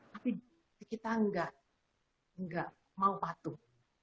tapi kita nggak mau patuh